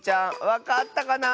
わかったかな？